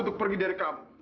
untuk pergi dari kamu